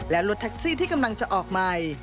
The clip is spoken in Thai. และรถแท็กซี่ที่กำลังจะออกใหม่